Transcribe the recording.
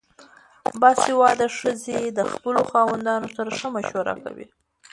باسواده ښځې د خپلو خاوندانو سره ښه مشوره کوي.